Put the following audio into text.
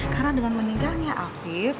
karena dengan meninggalnya afif